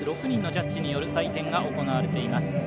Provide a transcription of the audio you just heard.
６人のジャッジによる採点が行われています。